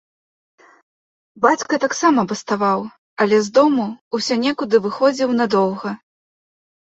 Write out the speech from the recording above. Бацька таксама баставаў, але з дому ўсё некуды выходзіў надоўга.